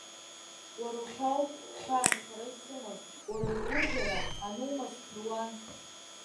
Уара ухьаа ауп хьаан сара исымаз, уара агәырӷьара анумаз сԥыруан.